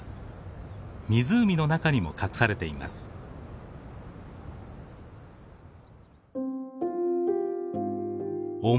湖の中にも隠されています。